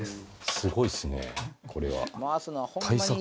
すごいっすねこれは。